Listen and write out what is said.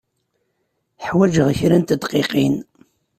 Ḥwajeɣ kra n tedqiqin.